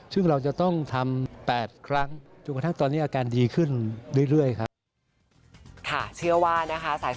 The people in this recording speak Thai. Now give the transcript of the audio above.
เยียวยาได้เสมอเป็นการจ่ายให้คุณแม่มุกดาด้วยนะคะ